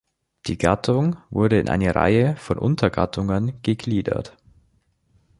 Die Gattung wurde in eine Reihe von Untergattungen gegliedert.